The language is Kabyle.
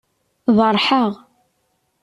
Berrḥeɣ.